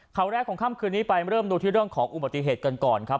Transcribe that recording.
ข่าวแรกของค่ำคืนนี้ไปเริ่มดูที่เรื่องของอุบัติเหตุกันก่อนครับ